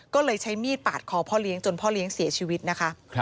ก็เลยใช้มีดปาดคอพ่อเลี้ยงจนพ่อเลี้ยงเสียชีวิตนะคะ